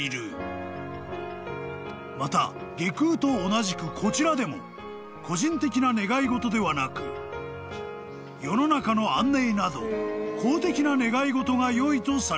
［また外宮と同じくこちらでも個人的な願い事ではなく世の中の安寧など公的な願い事がよいとされる］